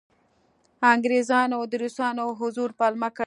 انګریزانو د روسانو حضور پلمه کړ.